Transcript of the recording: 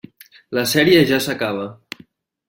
La sèrie ja s'acaba.